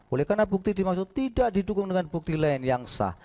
oleh karena bukti dimaksud tidak didukung dengan bukti lain yang sah